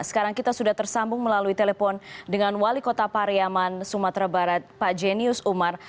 sekarang kita sudah tersambung melalui telepon dengan wali kota pariyaman sumatera barat pak jenius umar